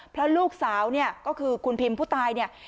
เพราะลูกสาวเนี่ยก็คือคุณพิมผู้ตายเนี่ย